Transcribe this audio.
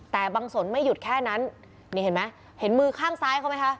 แต่บางสนไม่หยุดแค่นั้นนี่เห็นไหมเห็นมือข้างซ้ายเขาไหมคะ